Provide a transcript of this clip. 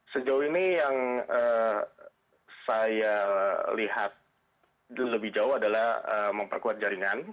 sejauh ini yang saya lihat lebih jauh adalah memperkuat jaringan